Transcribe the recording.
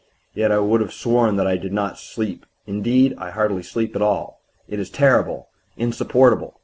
Yet I would have sworn that I did not sleep indeed, I hardly sleep at all. It is terrible, insupportable!